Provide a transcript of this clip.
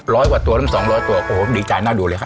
ร้อยกว่าตัวหรือสองร้อยตัวโอ้โหดีใจน่าดูเลยครับ